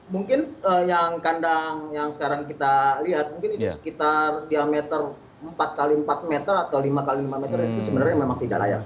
mungkin yang kandang yang sekarang kita lihat mungkin itu sekitar diameter empat x empat meter atau lima x lima meter itu sebenarnya memang tidak layak